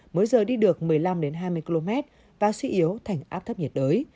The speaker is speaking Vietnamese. mỗi giờ đi được một mươi năm hai mươi km và suy yếu thành áp thấp nhiệt đới